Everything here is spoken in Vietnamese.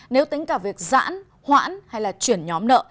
nếu tính cả việc giãn hoãn hay là chuyển nhóm nợ